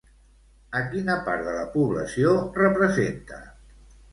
A quina part de la població representa?